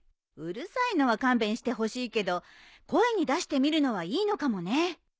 うるさいのは勘弁してほしいけど声に出してみるのはいいのかもね。